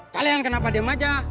kalian kenapa dem aja